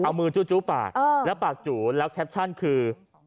เอามือจู้ปากแล้วปากจูแล้วแคปชั่นคือ